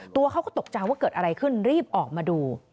ตัวเขาก็ตกใจว่าเกิดอะไรขึ้นรีบออกมาดู